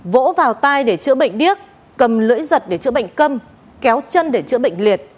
vỗ vào tay để chữa bệnh điếc cầm lưỡi giật để chữa bệnh cơm kéo chân để chữa bệnh liệt